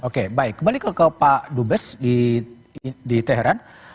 oke baik kembali ke pak dubes di teheran